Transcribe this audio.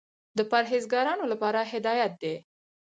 د پرهېزګارانو لپاره هدایت دى.